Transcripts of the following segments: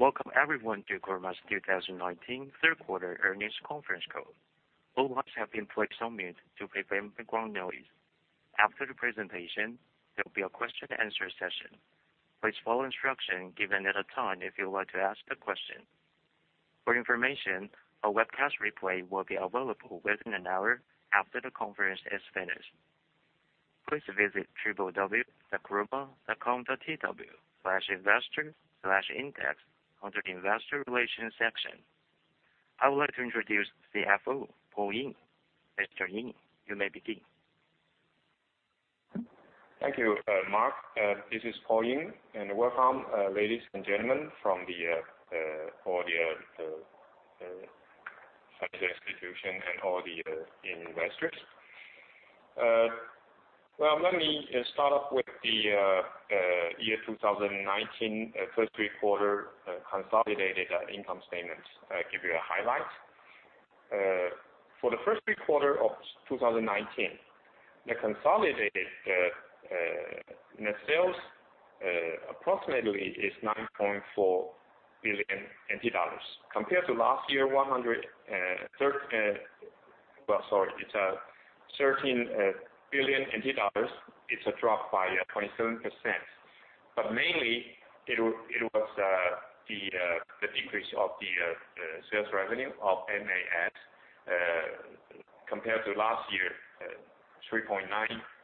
Welcome everyone to Chroma's 2019 third quarter earnings conference call. All lines have been placed on mute to prevent background noise. After the presentation, there will be a question and answer session. Please follow instructions given at a time if you would like to ask a question. For information, a webcast replay will be available within an hour after the conference is finished. Please visit www.chroma.com.tw/investor/index under the investor relations section. I would like to introduce CFO, Paul Ying. Mr. Ying, you may begin. Thank you, Mark. This is Paul Ying. Welcome, ladies and gentlemen, from all the institution and all the investors. Let me start off with the year 2019 first three quarter consolidated income statement, give you a highlight. For the first three quarter of 2019, the consolidated net sales approximately is 9.4 billion NT dollars. Compared to last year, it's 13 billion NT dollars. It's a drop by 27%. Mainly, it was the decrease of the sales revenue of MAS compared to last year, 3.9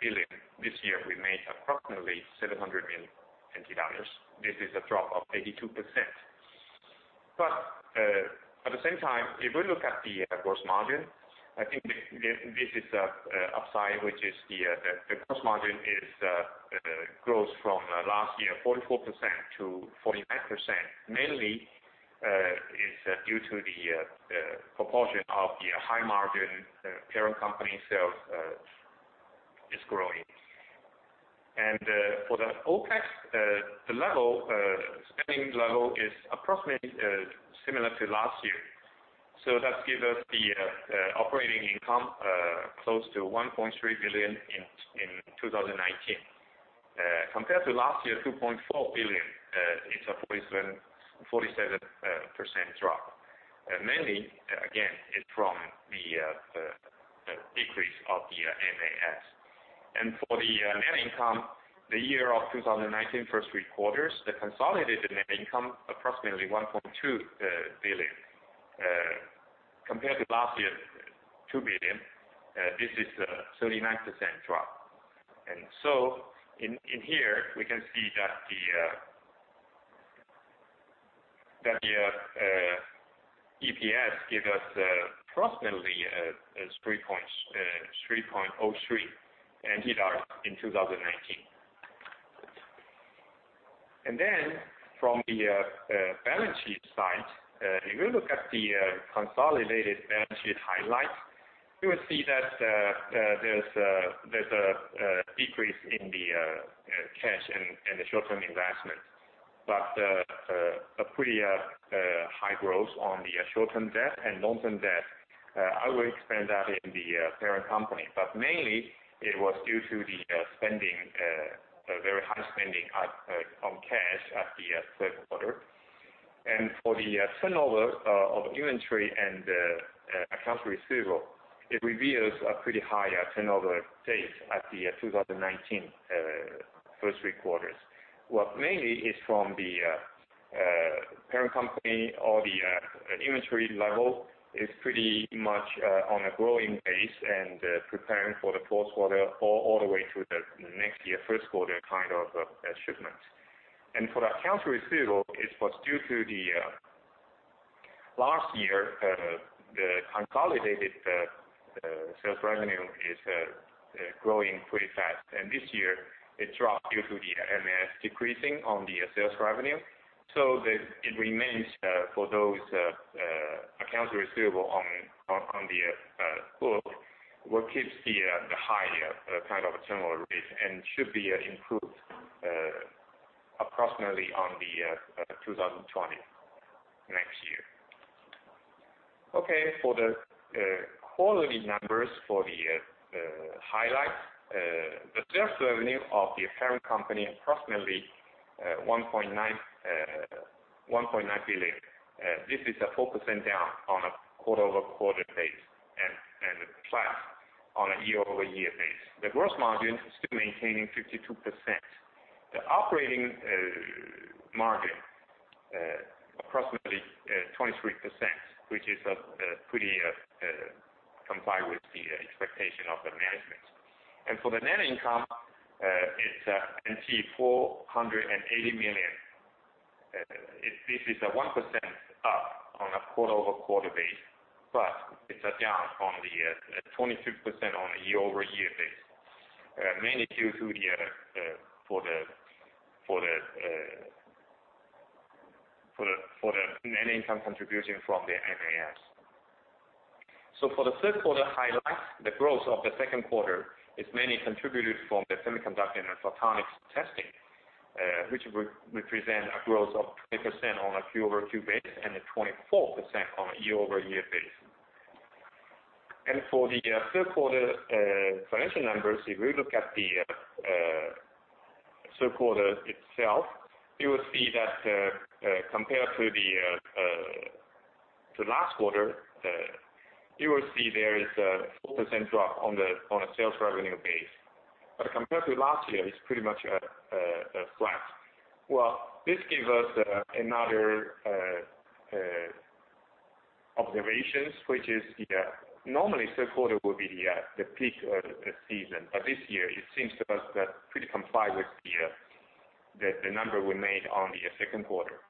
billion. This year, we made approximately 700 million NT dollars. This is a drop of 82%. At the same time, if we look at the gross margin, I think this is an upside, which is the gross margin is growth from last year, 44%-49%. Mainly, it's due to the proportion of the high margin parent company sales is growing. For the OPEX, the spending level is approximately similar to last year. That gives us the operating income close to 1.3 billion in 2019. Compared to last year, 2.4 billion, it's a 47% drop. Mainly, again, it's from the decrease of the MAS. For the net income, the year of 2019 first three quarters, the consolidated net income approximately 1.2 billion. Compared to last year, 2 billion, this is a 39% drop. In here, we can see that the EPS give us approximately TWD 3.03 in 2019. From the balance sheet side, if you look at the consolidated balance sheet highlight, you will see that there's a decrease in the cash and the short-term investment, but a pretty high growth on the short-term debt and long-term debt. I will explain that in the parent company, but mainly, it was due to the very high spending on cash at the third quarter. For the turnover of inventory and accounts receivable, it reveals a pretty high turnover rate at the 2019 first three quarters. Well, mainly, it's from the parent company or the inventory level is pretty much on a growing pace and preparing for the fourth quarter all the way to the next year first quarter kind of shipment. For accounts receivable, it was due to the last year, the consolidated sales revenue is growing pretty fast, and this year it dropped due to the MAS decreasing on the sales revenue. It remains for those accounts receivable on the book what keeps the high kind of turnover rate and should be improved approximately on the 2020 next year. Okay. For the quarterly numbers for the highlight, the sales revenue of the parent company approximately 1.9 billion. This is a 4% down on a quarter-over-quarter base and a flat on a year-over-year base. The gross margin still maintaining 52%. The operating margin approximately 23%, which is pretty comply with the expectation of the management. For the net income, it's 480 million. This is a 1% up on a quarter-over-quarter base, but it's a down on the 22% on a year-over-year base, mainly due to the net income contribution from the MAS. For the third quarter highlights, the growth of the second quarter is mainly contributed from the semiconductor and photonics testing, which represent a growth of 20% on a quarter-over-quarter base and a 24% on a year-over-year base. For the third quarter financial numbers, if we look at the third quarter itself, you will see that compared to last quarter, you will see there is a 4% drop on a sales revenue base. Compared to last year, it's pretty much flat. Well, this gives us another observation, which is normally third quarter will be the peak of the season, but this year it seems to us that pretty comply with the number we made on the second quarter.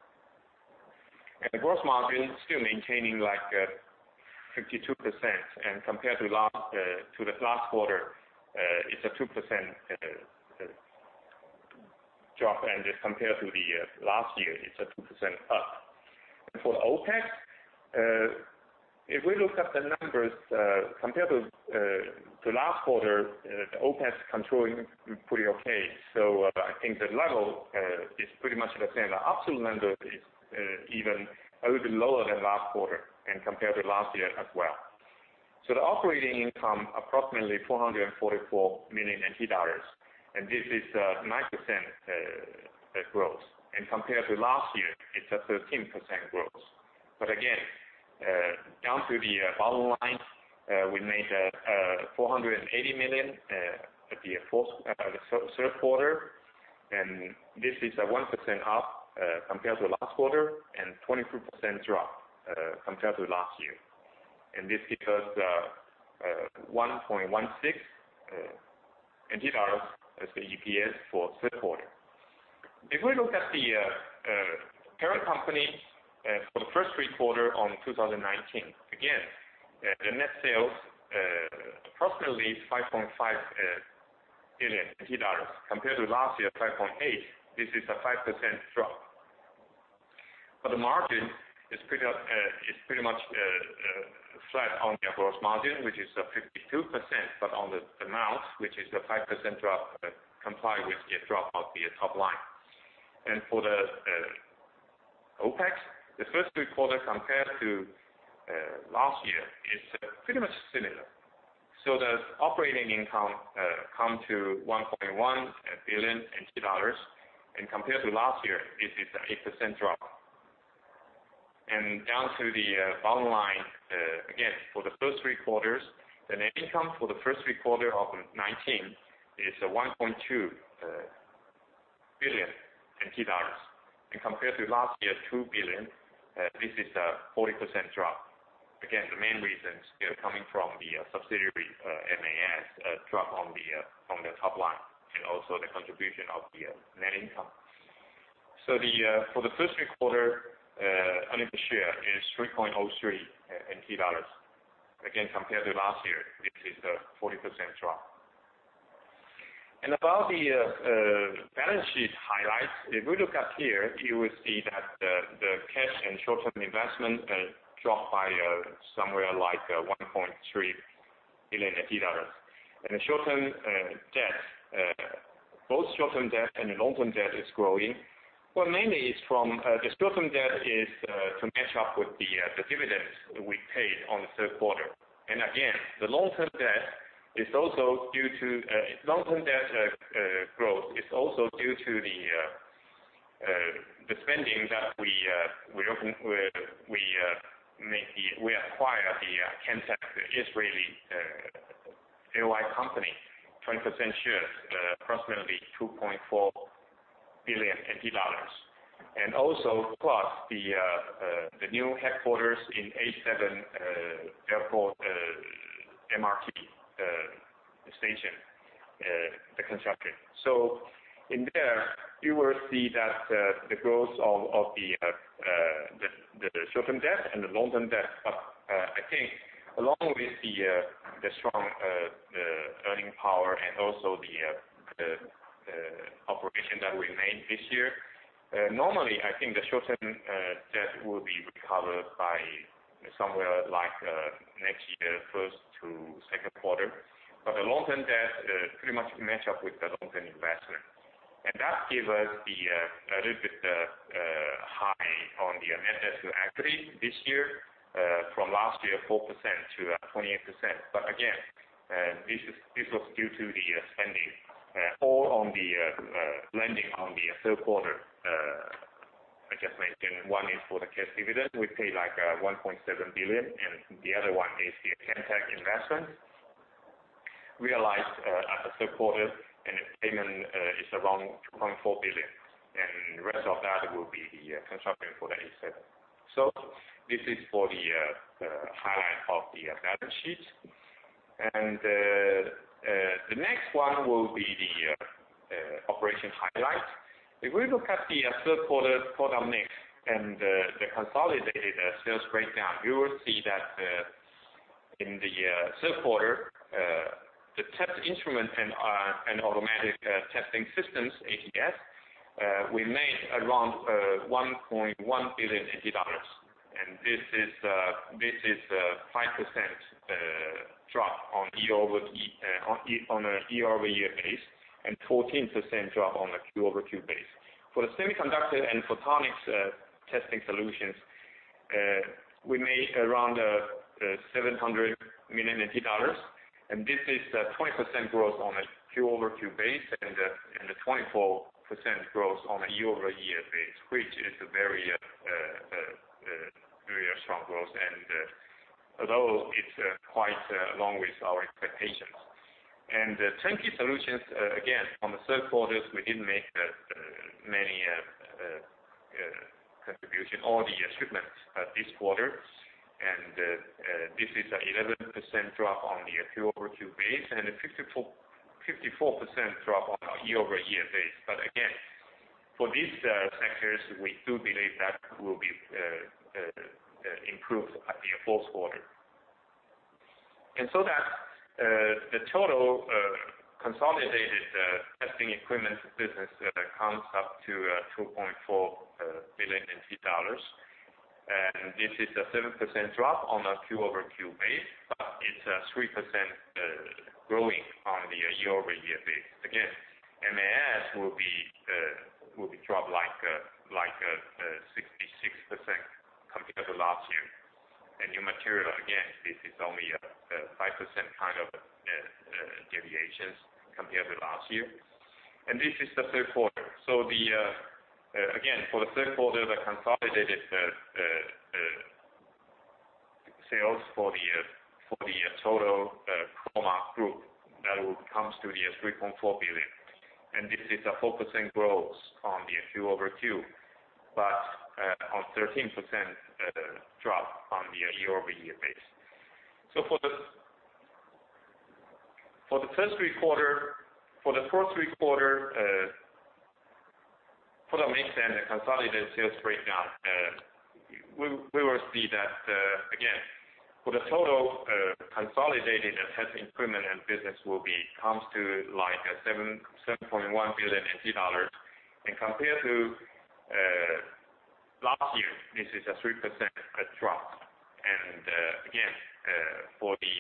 Gross margin still maintaining like 52%, and compared to the last quarter, it's a 2% drop, and compared to the last year, it's a 2% up. For OPEX, if we look at the numbers, compared to the last quarter, the OPEX controlling pretty okay. I think the level is pretty much the same. The absolute number is even a little bit lower than last quarter and compared to last year as well. The operating income approximately 444 million NT dollars, and this is 9% growth. Compared to last year, it's a 13% growth. Again, down to the bottom line, we made 480 million at the third quarter, and this is a 1% up on a quarter-over-quarter base, but it's a down on the 22% on a year-over-year base. This gives us 1.16 as the EPS for third quarter. If we look at the parent company for the first three quarter on 2019, again, the net sales approximately 5.5 billion dollars. Compared to last year, 5.8 billion, this is a 5% drop. The margin is pretty much flat on the gross margin, which is 52%, but on the amount, which is a 5% drop comply with the drop of the top line. For the OPEX, the first three quarter compared to last year is pretty much similar. The operating income come to 1.1 billion NT dollars, compared to last year, this is an 8% drop. Down to the bottom line, again, for the first three quarters, the net income for the first three quarter of 2019 is 1.2 billion NT dollars. Compared to last year, 2 billion, this is a 40% drop. Again, the main reasons coming from the subsidiary, MAS, drop on the top line and also the contribution of the net income. For the first three quarter, earning per share is 3.03 NT dollars. Again, compared to last year, this is a 40% drop. About the balance sheet highlights, if we look up here, you will see that the cash and short-term investment dropped by somewhere like 1.3 billion dollars. Both short-term debt and long-term debt is growing. Well, mainly it's from the short-term debt is to match up with the dividends we paid on the third quarter. Again, the long-term debt growth is also due to the spending that we acquired the Camtek, the Israeli AI company, 20% shares, approximately 2.4 billion NT dollars. Also plus the new headquarters in A7 Airport MRT Station, the construction. In there, you will see that the growth of the short-term debt and the long-term debt. I think along with the strong earning power and also the operation that we made this year, normally, I think the short-term debt will be recovered by somewhere like next year, first to second quarter. The long-term debt pretty much match up with the long-term investment. That gives us a little bit high on the net debt to equity this year from last year, 4%-28%. Again, this was due to the spending all on the lending on the third quarter. I just mentioned one is for the cash dividend. We paid like 1.7 billion, and the other one is the Camtek investment, realized at the third quarter, and the payment is around 2.4 billion. The rest of that will be the construction for the A7. This is for the highlight of the balance sheet. The next one will be the operation highlight. If we look at the third quarter product mix and the consolidated sales breakdown, you will see that in the third quarter, the test instrument and automatic testing systems, ATS, we made around 1.1 billion dollars. This is 5% drop on a year-over-year base and 14% drop on a Q-over-Q base. For the semiconductor and photonics testing solutions. We made around 700 million NT dollars ATE. This is a 20% growth on a Q-over-Q base and a 24% growth on a year-over-year base, which is a very strong growth. Although it's quite along with our expectations. The turnkey solutions, again, on the third quarter, we didn't make many contribution or the shipments this quarter. This is an 11% drop on the Q-over-Q base and a 54% drop on a year-over-year base. Again, for these sectors, we do believe that will be improved at the 4th quarter. The total consolidated testing equipment business comes up to 2.4 billion NT dollars ATE. This is a 7% drop on a Q-over-Q base, but it's a 3% growing on a year-over-year base. Again, MAS will be dropped like 66% compared to last year. New material, again, this is only a 5% kind of deviations compared to last year. This is the 3rd quarter. Again, for the 3rd quarter, the consolidated sales for the total Chroma group, that will comes to the 3.4 billion. This is a 4% growth on the Q-over-Q, but on 13% drop on the year-over-year base. For the first three quarter, for the maintain the consolidated sales breakdown, we will see that, again, for the total consolidated testing equipment and business will be comes to like a 7.1 billion NT dollars ATE, and compared to last year, this is a 3% drop. Again, for the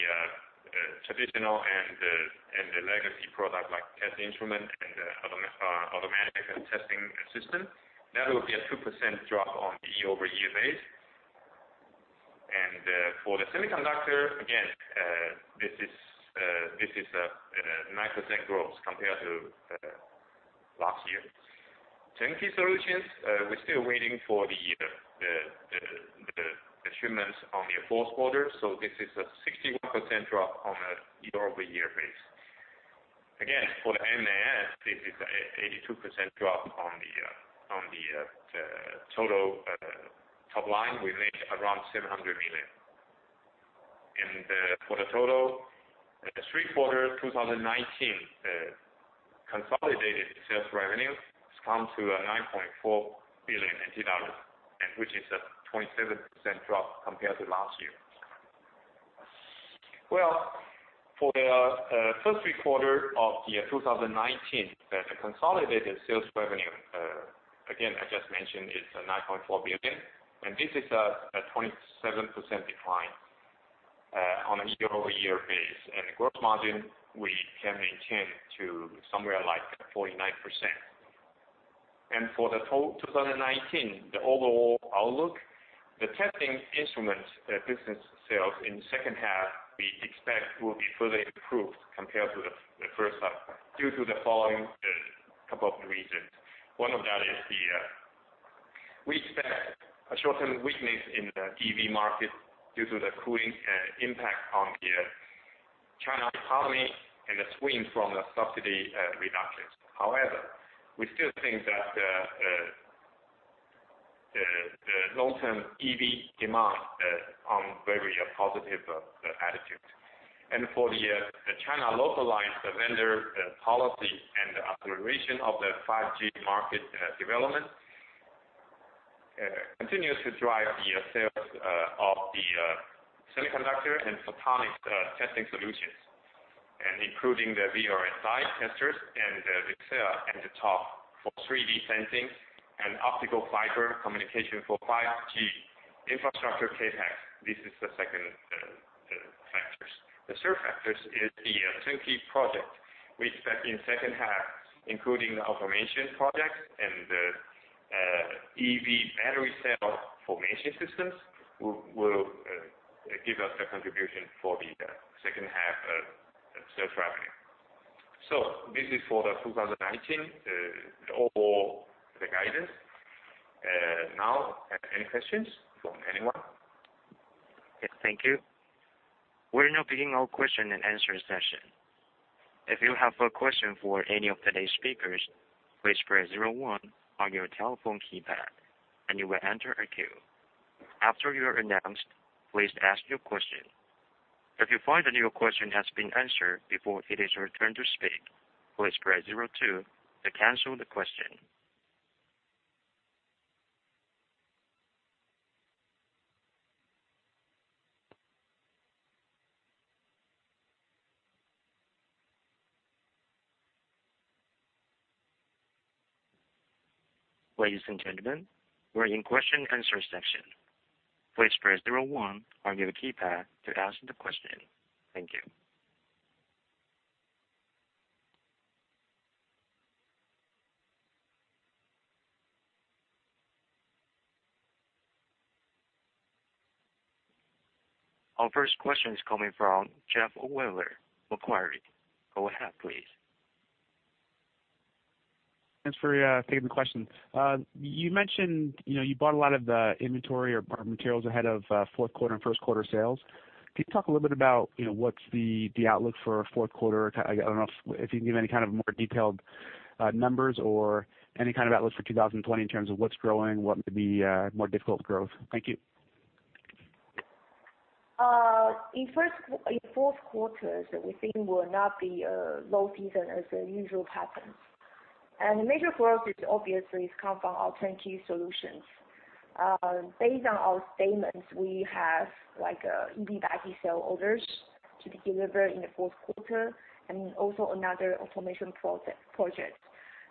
traditional and the legacy product like test instrument and automatic testing system, that will be a 2% drop on year-over-year base. For the semiconductor, again, this is a 9% growth compared to last year. Turnkey solutions, we're still waiting for the shipments on the fourth quarter, so this is a 61% drop on a year-over-year base. Again, for the MAS, this is a 82% drop on the total top line. We made around 700 million. For the total three quarter 2019 consolidated sales revenue has come to a 9.4 billion ATE, and which is a 27% drop compared to last year. Well, for the first three quarter of the year 2019, the consolidated sales revenue, again, I just mentioned it's 9.4 billion, and this is a 27% decline on a year-over-year base. Gross margin, we can maintain to somewhere like 49%. For the 2019, the overall outlook, the testing instrument business sales in second half, we expect will be further improved compared to the first half due to the following couple of reasons. One of that is we expect a short-term weakness in the EV market due to the cooling impact on the China economy and the swing from the subsidy reductions. However, we still think that the long-term EV demand on very positive attitude. For the China localized vendor policy and the acceleration of the 5G market development continues to drive the sales of the semiconductor and photonics testing solutions. Including the VLSI testers and the top for 3D sensing and optical fiber communication for 5G infrastructure CapEx. This is the second factors. The third factors is the Turnkey project, which that in second half, including the automation projects and the EV battery cell formation systems, will give us the contribution for the second half sales revenue. This is for the 2019, the overall, the guidance. Now, any questions from anyone? Yes. Thank you. We're now beginning our question and answer session. If you have a question for any of today's speakers, please press zero one on your telephone keypad and you will enter a queue. After you are announced, please ask your question. If you find that your question has been answered before it is your turn to speak, please press zero two to cancel the question. Ladies and gentlemen, we're in question and answer session. Please press zero one on your keypad to ask the question. Thank you. Our first question is coming from Jeff Weller, Macquarie. Go ahead, please. Thanks for taking the question. You mentioned you bought a lot of the inventory or materials ahead of fourth quarter and first-quarter sales. Can you talk a little bit about what's the outlook for fourth quarter? I don't know if you can give any kind of more detailed numbers or any kind of outlook for 2020 in terms of what's growing, what maybe more difficult growth. Thank you. In fourth quarters, we think will not be low season as the usual patterns. The major growth obviously comes from our turnkey solutions. Based on our statements, we have E-bagging sale orders to be delivered in the fourth quarter, and also another automation project.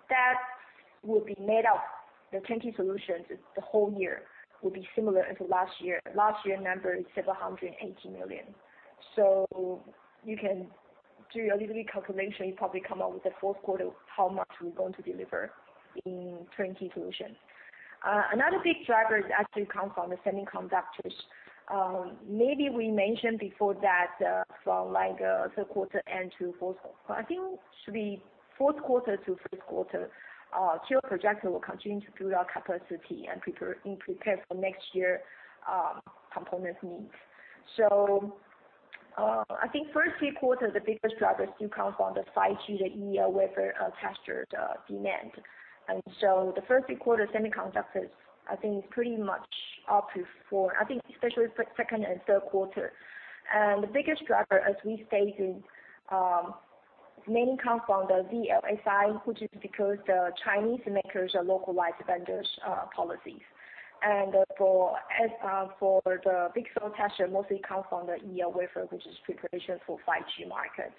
That will be made up, the turnkey solutions, the whole year will be similar to last year. Last year's number is 780 million. You can do a little calculation. You probably come out with the fourth quarter, how much we're going to deliver in turnkey solution. Another big driver actually comes from the semiconductors. Maybe we mentioned before that from a third-quarter end to fourth. I think should be fourth quarter to first quarter, pure projector will continue to build our capacity and prepare for next year component needs. I think first few quarters, the biggest drivers still come from the 5G, the wafer tester demand. The first few quarter semiconductors, I think is pretty much up to four. I think especially second and third quarter. The biggest driver, as we stated, mainly comes from the VLSI, which is because the Chinese makers are localized vendors policies. For the VCSEL tester mostly comes from the wafer, which is preparation for 5G market.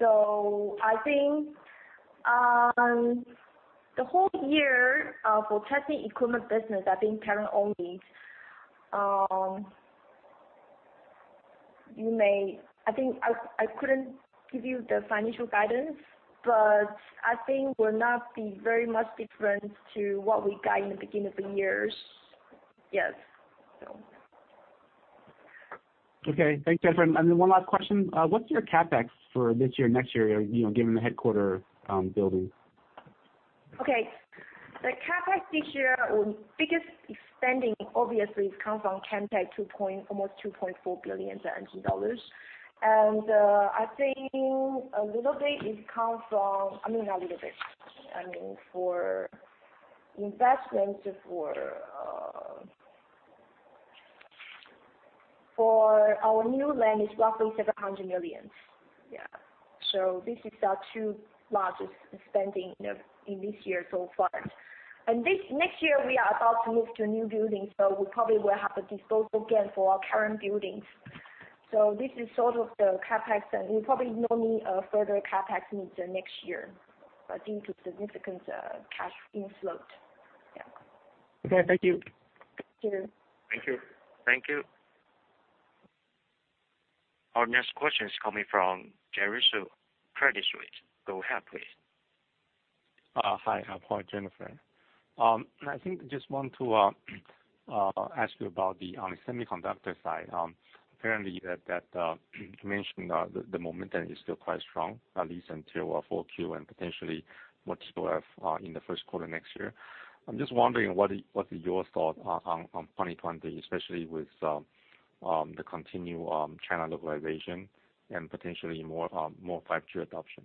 I think the whole year for testing equipment business, I think current only. I couldn't give you the financial guidance, but I think will not be very much different to what we got in the beginning of the years. Yes. Okay. Thanks, Jennifer. One last question. What's your CapEx for this year, next year, given the headquarters building? Okay. The CapEx this year, our biggest spending obviously has come from Camtek, almost TWD 2.4 billion. I think for investments for our new land is roughly 700 million. Yeah. This is our two largest spending in this year so far. Next year, we are about to move to a new building, so we probably will have a disposal gain for our current buildings. This is sort of the CapEx, and we probably no need further CapEx needs in next year. I think it's significant cash inflow. Yeah. Okay. Thank you. Sure. Thank you. Our next question is coming from Jerry Su, Credit Suisse. Go ahead, please. Hi. Hi, Jennifer. I think just want to ask you about the semiconductor side. Apparently, you mentioned the momentum is still quite strong, at least until 4Q and potentially what you still have in the first quarter next year. I'm just wondering, what is your thought on 2020, especially with the continued China localization and potentially more 5G adoption?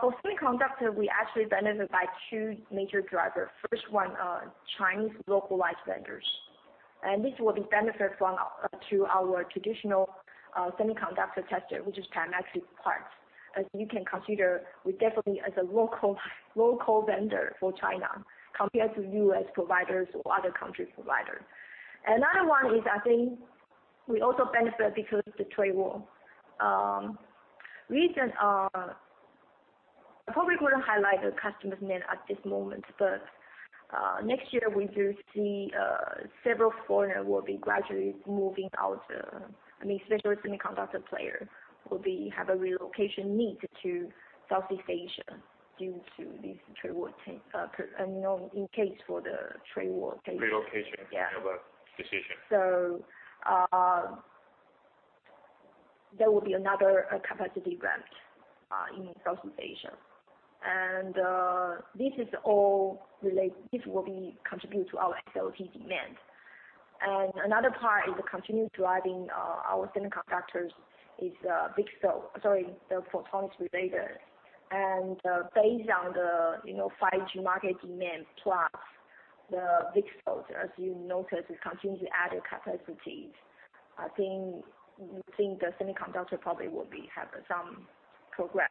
For semiconductor, we actually benefited by two major drivers. First one, Chinese localized vendors. This will be benefit to our traditional semiconductor tester, which is Semtech parts. As you can consider, we definitely as a local vendor for China, compared to U.S. providers or other country providers. Another one is, I think we also benefit because of the trade war. I probably couldn't highlight the customer's name at this moment, but next year we do see several foreigners will be gradually moving out. Especially semiconductor player will have a relocation need to Southeast Asia due to this trade war. Relocation decision. Yeah. There will be another capacity grant in Southeast Asia. This will contribute to our ATS demand. Another part is continuing driving our semiconductors is the photonics related. Based on the 5G market demand, plus the VCSELs, as you notice, we continue to add capacities. I think the semiconductor probably will have some progress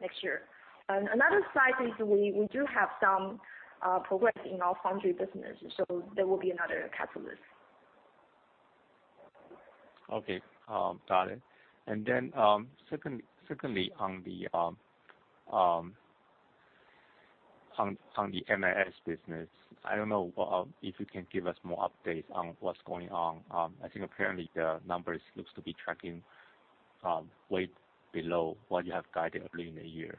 next year. Another side is we do have some progress in our foundry business, so there will be another catalyst. Okay. Got it. Secondly, on the MAS business, I don't know if you can give us more updates on what's going on. I think apparently the numbers looks to be tracking way below what you have guided early in the year.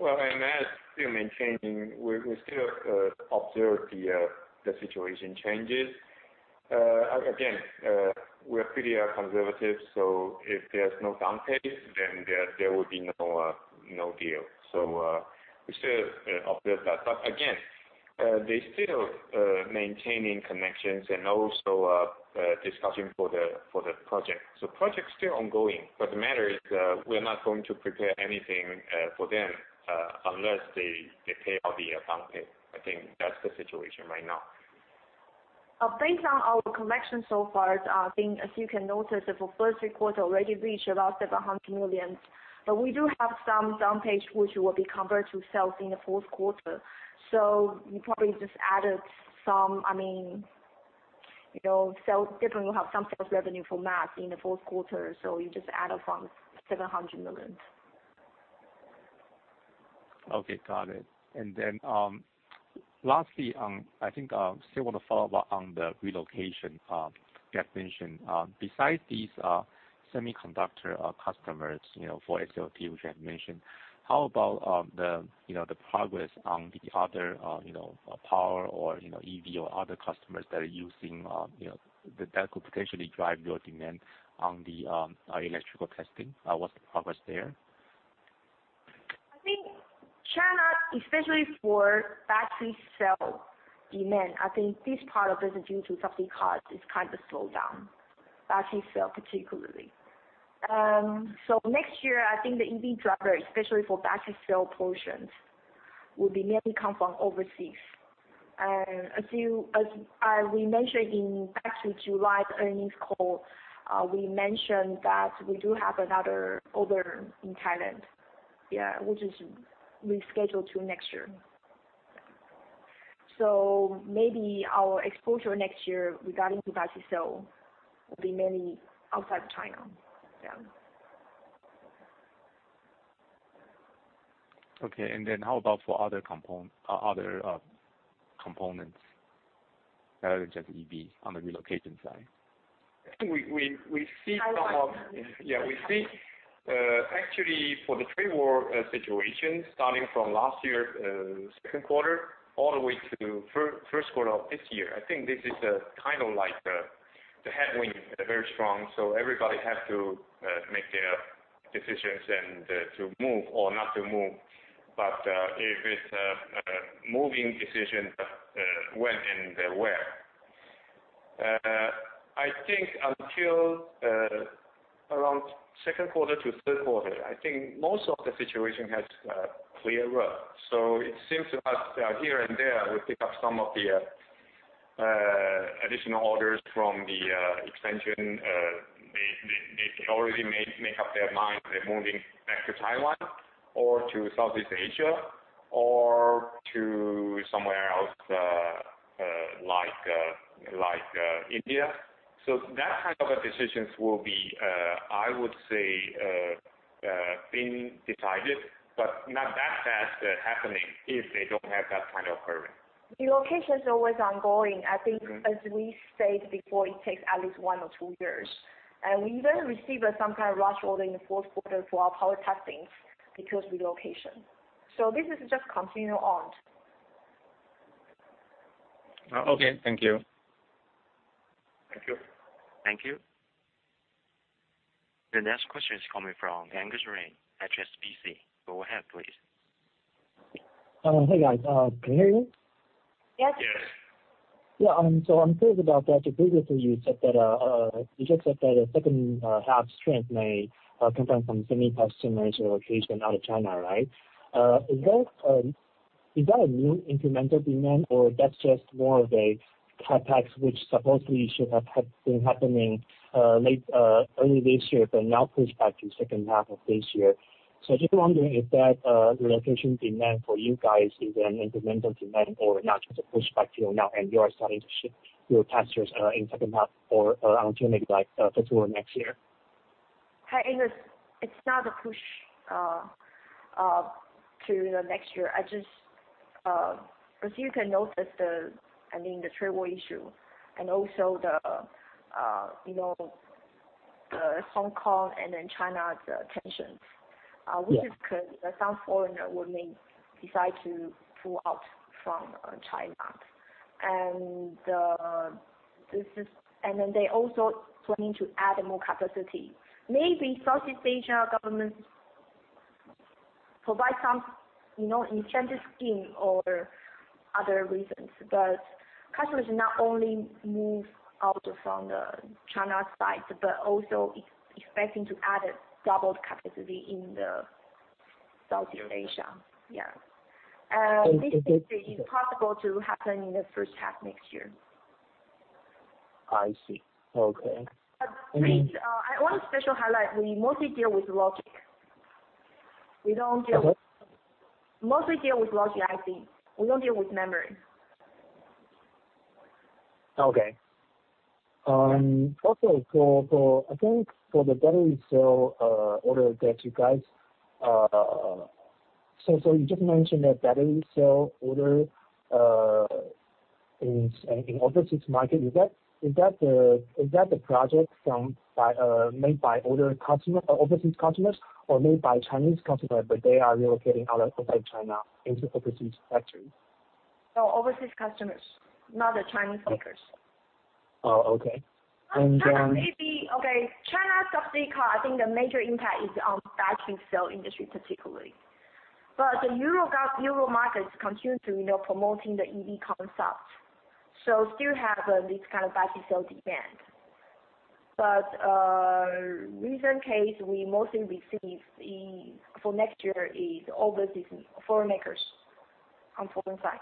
MAS still maintaining. We still observe the situation changes. Again, we are pretty conservative, if there's no down payment, then there will be no deal. We still observe that. Again, they're still maintaining connections and also discussing for the project. Project's still ongoing, but the matter is, we're not going to prepare anything for them unless they pay all the down payment. I think that's the situation right now. Based on our collection so far, I think as you can notice that for first quarter, already reached about 700 million. We do have some down payment, which will be converted to sales in the fourth quarter. You probably just added some, definitely we have some sales revenue from MAS in the fourth quarter, so you just add up from 700 million. Okay, got it. Lastly, I think I still want to follow up on the relocation that you have mentioned. Besides these semiconductor customers, for SLT, which you have mentioned, how about the progress on the other power or EV or other customers that could potentially drive your demand on the electrical testing? What's the progress there? I think China, especially for battery cell demand, I think this part of business, due to some things, has kind of slowed down. Battery cell particularly. Next year, I think the EV driver, especially for battery cell portions, will be mainly come from overseas. As we mentioned back to July's earnings call, we mentioned that we do have another order in Thailand. Yeah, which is rescheduled to next year. Maybe our exposure next year regarding to battery cell will be mainly outside of China. Yeah. Okay. Then how about for other components, rather than just EV, on the relocation side? I think we see, actually, for the trade war situation, starting from last year, second quarter, all the way to first quarter of this year, I think this is kind of like the headwind, very strong. Everybody has to make their decisions and to move or not to move. If it's a moving decision, when and where? I think until around second quarter to third quarter, I think most of the situation has cleared up. It seems to us that here and there, we pick up some of the additional orders from the expansion. They already made up their minds. They're moving back to Taiwan or to Southeast Asia or to somewhere else, like India. That kind of decisions will be, I would say, being decided, but not that fast happening if they don't have that kind of order. Relocation's always ongoing. I think as we said before, it takes at least one or two years. We even received some kind of rush order in the fourth quarter for our power testing because relocation. This is just continuing on. Okay. Thank you. Thank you. Thank you. The next question is coming from Angus Lin, HSBC. Go ahead, please. Hey, guys. Can you hear me? Yes. Yes. Yeah. I'm curious about that. Previously, you said that second half strength may come from some semi customers relocation out of China, right? Is that a new incremental demand or that's just more of a CapEx, which supposedly should have been happening early this year, but now pushed back to second half of this year? I'm just wondering if that relocation demand for you guys is an incremental demand or not, just pushed back to now and you are starting to ship your testers in second half or until maybe like first quarter next year? Hi, Angus. It's not a push to next year. As you can notice, the trade war issue and also the Hong Kong and China's tensions, which is because some foreigner will may decide to pull out from China. They're also planning to add more capacity. Maybe Southeast Asia government provide some incentive scheme or other reasons, but customers not only move out from the China side, but also expecting to add double capacity in the Southeast Asia. Yeah. This is possible to happen in the first half next year. I see. Okay. Please, one special highlight, we mostly deal with logic. Okay. Mostly deal with logic IC. We don't deal with memory. Okay. You just mentioned that battery cell order in overseas market, is that the project made by overseas customers or made by Chinese customers, but they are relocating outside China into overseas factories? No, overseas customers, not the Chinese makers. Oh, okay. China subsidy, I think the major impact is on battery cell industry particularly. The Euro markets continue to promoting the EV concept, so still have this kind of battery cell demand. Recent case, we mostly receive for next year is overseas foreign makers on foreign side.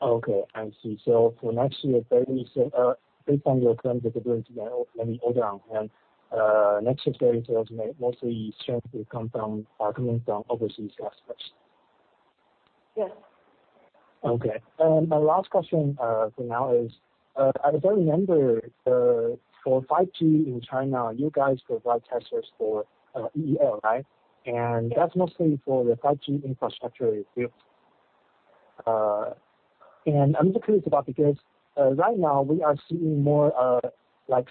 Okay, I see. For next year, battery cell, based on your current visibility, many order on hand, next year's battery cells mostly are coming from overseas aspects. Yes. Okay. My last question for now is, as I remember, for 5G in China, you guys provide testers for EOL, right? That's mostly for the 5G infrastructure build. I'm just curious about it because right now we are seeing more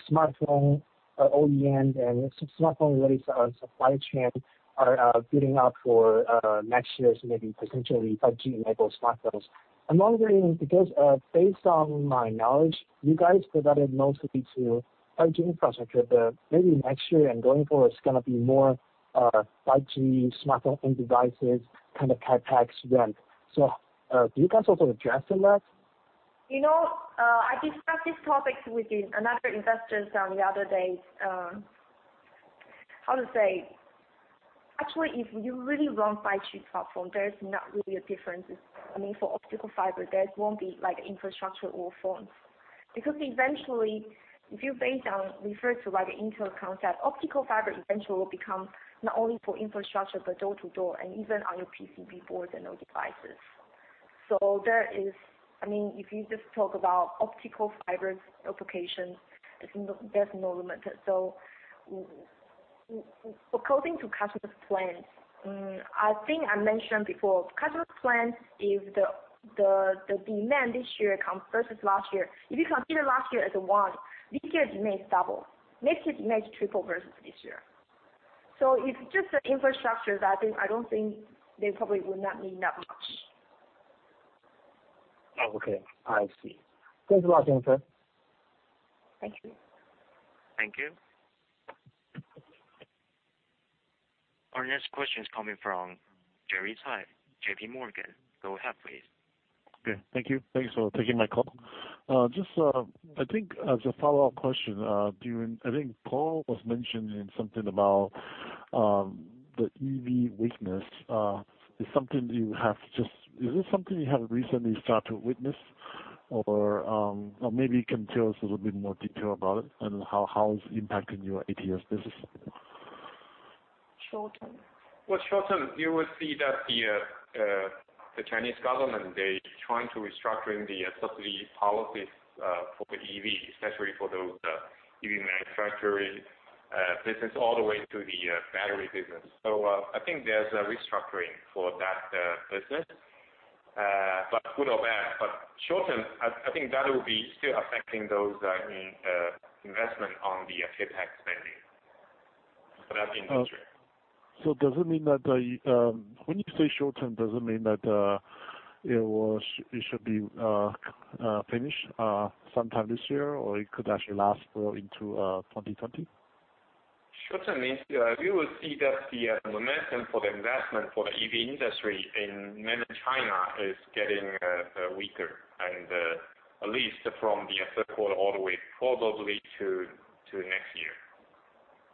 smartphone OEM and some smartphone related supply chain are building out for next year's maybe potentially 5G enabled smartphones. I'm wondering because, based on my knowledge, you guys provided mostly to 5G infrastructure, but maybe next year and going forward, it's going to be more 5G smartphone end devices kind of CapEx spend. Do you guys also address in that? I discussed this topic with another investors the other day. How to say? Actually, if you really want 5G smartphone, there's not really a difference. I mean, for optical fiber, there won't be infrastructure or phone. Eventually, if you refer to the Intel concept, optical fiber eventually will become not only for infrastructure, but door to door, and even on your PCB boards and devices. If you just talk about optical fiber applications, there's no limit. According to customers' plans, I think I mentioned before, customers' plans, if the demand this year versus last year, if you consider last year as one, this year it may double. Next year it may triple versus this year. If it's just the infrastructures, I don't think they probably will not mean that much. Okay, I see. Thanks a lot, Jennifer. Thank you. Thank you. Our next question is coming from Jerry Tsai, JP Morgan. Go ahead, please. Okay, thank you. Thanks for taking my call. Just I think as a follow-up question, I think Paul was mentioning something about the EV weakness. Is it something you have recently started to witness? Or maybe you can tell us a little bit more detail about it, and how it's impacting your ATS business? Short term. Well, short term, you will see that the Chinese government, they trying to restructuring the subsidy policies for the EV, especially for those EV manufacturing business all the way to the battery business. I think there's a restructuring for that business, but good or bad. Short term, I think that will be still affecting those investment on the CapEx spending for that industry. When you say short term, does it mean that it should be finished sometime this year, or it could actually last into 2020? Short term means you will see that the momentum for the investment for the EV industry in mainland China is getting weaker, at least from the third quarter all the way probably to next year.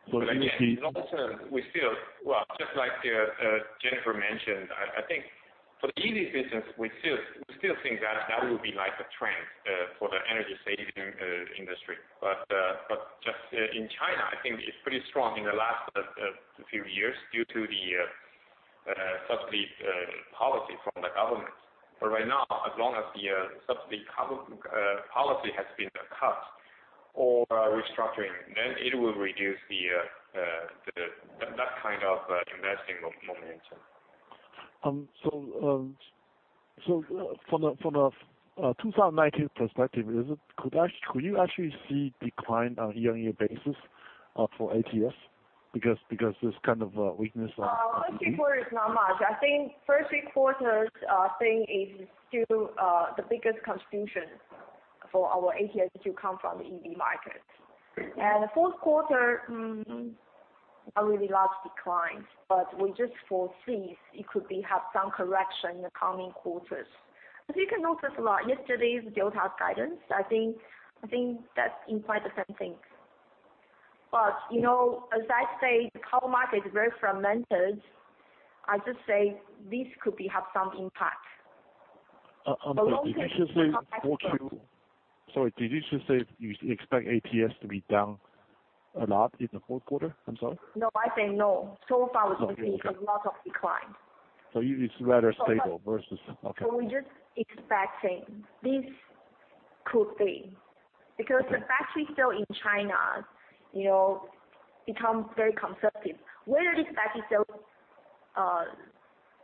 Again, long term, just like Jennifer mentioned, I think for the EV business, we still think that that will be like a trend for the energy saving industry. Just in China, I think it's pretty strong in the last few years due to the subsidy policy from the government. Right now, as long as the subsidy policy has been cut or restructuring, it will reduce that kind of investing momentum. From a 2019 perspective, could you actually see decline on a year-on-year basis for ATS because this kind of weakness on EV? First quarter is not much. I think first quarter thing is still the biggest contribution for our ATS to come from the EV market. Thank you. The fourth quarter, not really large decline, but we just foresee it could have some correction in the coming quarters. As you can notice a lot, yesterday's Delta guidance, I think that implies the same thing. As I say, the car market is very fragmented. I just say this could have some impact. Okay. Do you think this will affect Sorry, did you just say you expect ATS to be down a lot in the fourth quarter? I'm sorry. No, I said no. So far, we don't see a lot of decline. It's rather stable versus Okay. We're just expecting this could be. Because the battery cell in China becomes very conservative. Whether this battery cell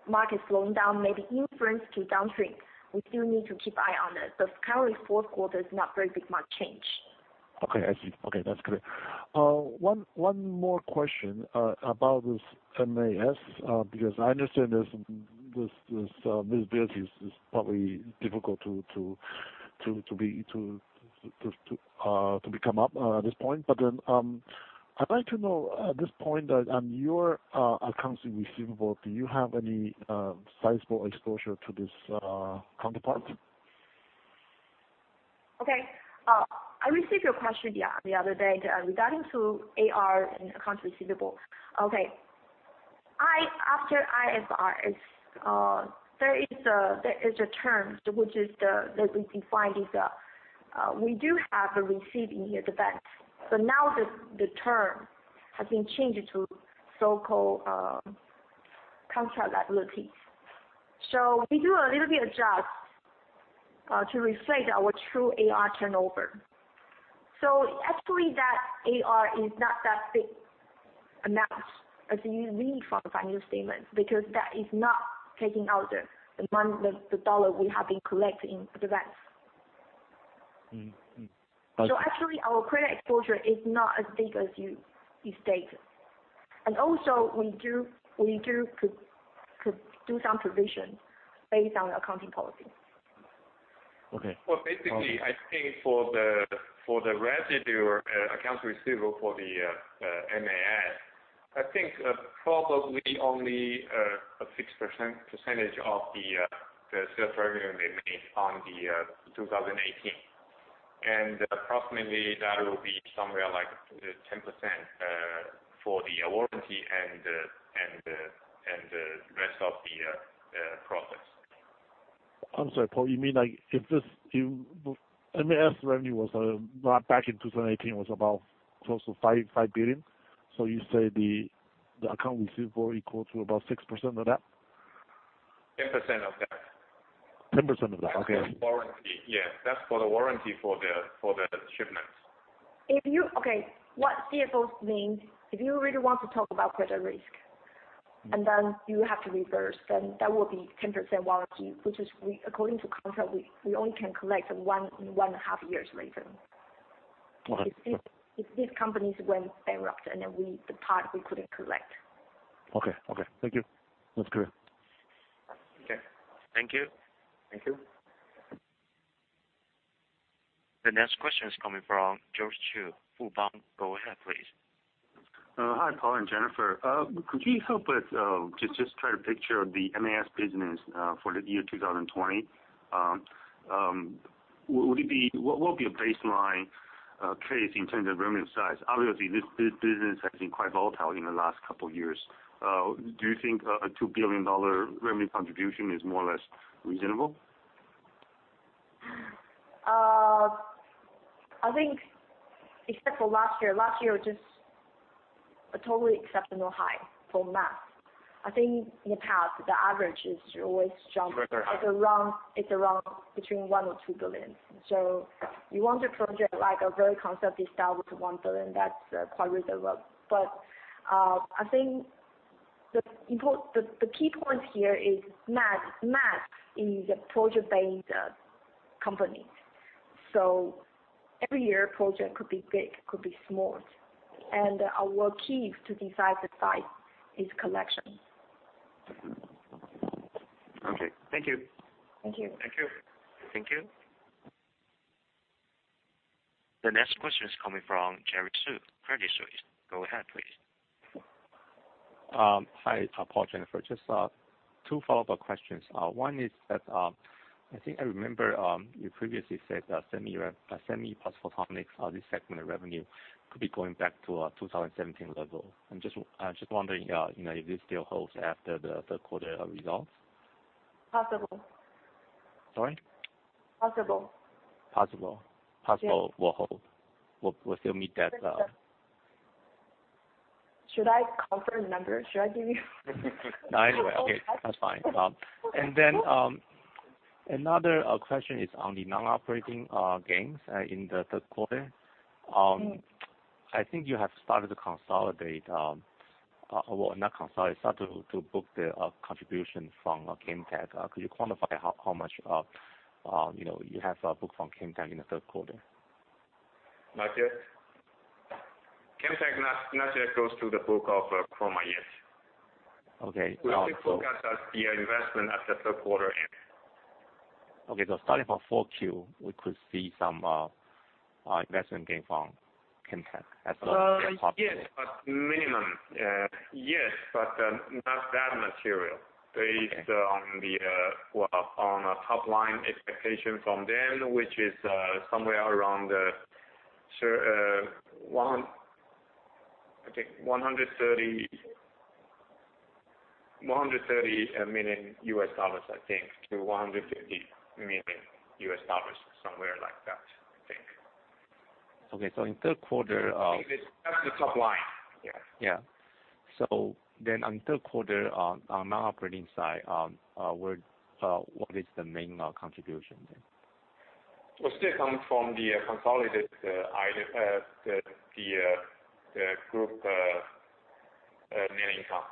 market slowing down may be influence to downstream. We still need to keep eye on it. Currently, fourth quarter is not very big market change. Okay. I see. Okay. That's clear. One more question about this MAS, because I understand this visibility is probably difficult to be come up at this point. I'd like to know at this point that on your accounts receivable, do you have any sizable exposure to this counterpart? Okay. I received your question the other day regarding to AR and accounts receivable. After IFRS, there is a term which is that we define is, we do have a receipt in advance. Now the term has been changed to so-called contract liabilities. We do a little bit adjust to reflect our true AR turnover. Actually, that AR is not that big amount as you read from financial statements, because that is not taking out the dollar we have been collecting in advance. Actually, our credit exposure is not as big as you state. We do some provision based on the accounting policy. Okay. Well, basically, I think for the residue or accounts receivable for the MAS, I think probably only 6% percentage of the sales revenue they made on the 2018. Approximately that will be somewhere like 10% for the warranty and the rest of the process. I'm sorry, Paul, you mean like if this MAS revenue back in 2018 was about close to 5 billion, so you say the account receivable equal to about 6% of that? 10% of that. 10% of that. Okay. That's for warranty. Yeah. That's for the warranty for the shipments. Okay. What CFO means, if you really want to talk about credit risk, and then you have to reverse, then that will be 10% warranty, which is according to contract, we only can collect one and a half years later. Okay. If these companies went bankrupt, and then the part we couldn't collect. Okay. Thank you. That's clear. Okay. Thank you. Thank you. The next question is coming from George Chang, Fubon. Go ahead, please. Hi, Paul and Jennifer. Could you help us just try to picture the MAS business for the year 2020? What would be a baseline case in terms of revenue size? Obviously, this business has been quite volatile in the last couple of years. Do you think a 2 billion dollar revenue contribution is more or less reasonable? I think except for last year, last year was just a totally exceptional high for MAS. I think in the past, the average is always. Further high it's around between 1 billion or 2 billion. You want to project like a very conservative style with 1 billion, that's quite reasonable. I think the key point here is MAS is a project-based company. Every year, project could be big, could be small, and our key to decide the size is collection. Okay. Thank you. Thank you. Thank you. Thank you. The next question is coming from Jerry Su, Credit Suisse. Go ahead, please. Hi, Paul, Jennifer. Just two follow-up questions. One is that, I think I remember, you previously said that semi plus photonics, this segment of revenue could be going back to our 2017 level. I'm just wondering if this still holds after the third quarter results? Possible. Sorry? Possible. Possible. Yes. Possible will hold. Should I confirm numbers? Should I give you No. Anyway. Okay. That's fine. Another question is on the non-operating gains in the third quarter. I think you have started to consolidate, well, not consolidate, start to book the contribution from Camtek. Could you quantify how much you have booked from Camtek in the third quarter? Not yet. Camtek not yet goes to the book of Chroma yet. Okay. We still focus as the investment at the third quarter end. Okay. Starting from 4Q, we could see some investment gain from Camtek as a possibility. Yes, but minimum. Yes, but not that material. Okay based on top line expectation from them, which is somewhere around, I think $130 million, I think, to $150 million, somewhere like that, I think. Okay. In third quarter. That's the top line. Yeah. Yeah. On third quarter, on non-operating side, what is the main contribution then? Well, still coming from the consolidated group net income.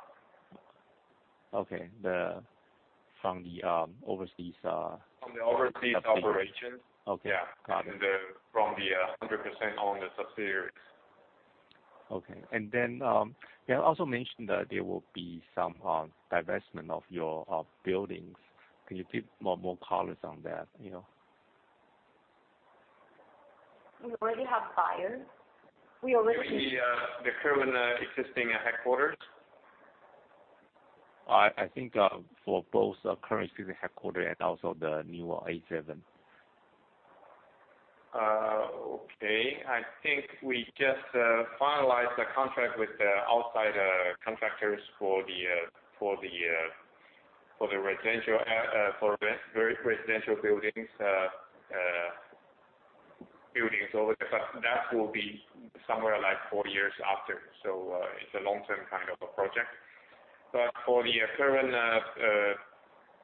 Okay. From the overseas-. From the overseas operations. Okay. Yeah. Got it. From the 100% owned subsidiaries. Okay. You have also mentioned that there will be some divestment of your buildings. Can you give more colors on that? We already have buyers. You mean the current existing headquarters? I think for both current existing headquarter and also the newer A7. Okay. I think we just finalized the contract with the outside contractors for the residential buildings. That will be somewhere like four years after. It's a long-term kind of a project. For the current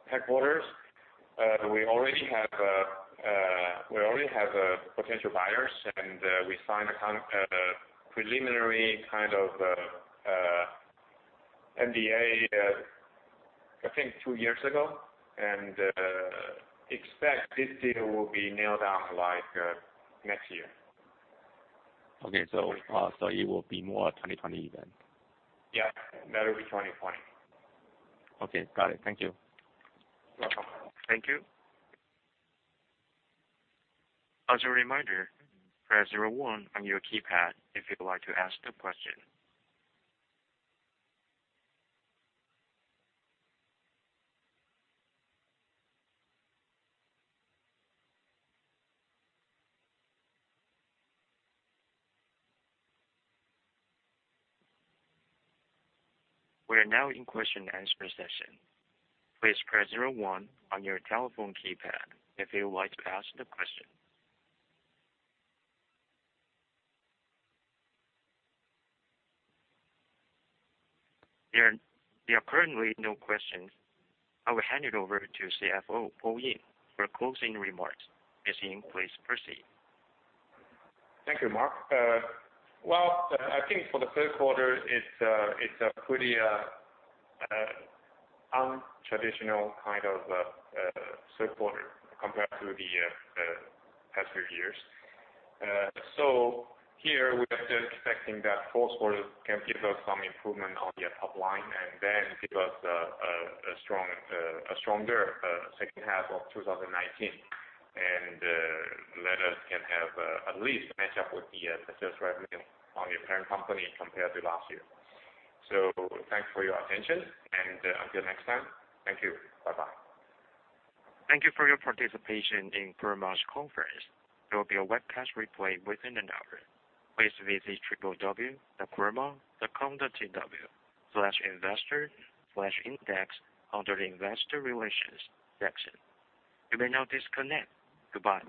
headquarters, we already have potential buyers, and we signed a preliminary kind of NDA, I think two years ago. Expect this deal will be nailed down next year. Okay. It will be more 2020 then. Yeah. That will be 2020. Okay. Got it. Thank you. You're welcome. Thank you. As a reminder, press 01 on your keypad if you would like to ask a question. We are now in question and answer session. Please press 01 on your telephone keypad if you would like to ask a question. There are currently no questions. I will hand it over to CFO, Paul Ying, for closing remarks. Mr. Ying, please proceed. Thank you, Mark. I think for the third quarter, it's a pretty untraditional kind of third quarter compared to the past few years. Here we are still expecting that fourth quarter can give us some improvement on the top line and then give us a stronger second half of 2019. Let us can have at least match up with the sales revenue on the parent company compared to last year. Thanks for your attention and until next time, thank you. Bye-bye. Thank you for your participation in Chroma's conference. There will be a webcast replay within an hour. Please visit www.chroma.com.tw/investor/index under the investor relations section. You may now disconnect. Goodbye.